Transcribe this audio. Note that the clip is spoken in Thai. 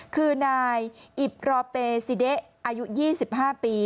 คือนายอิบรอเปซิเดะอายุ๒๕ปี